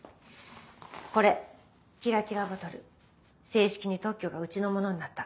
これキラキラボトル正式に特許がうちのものになった。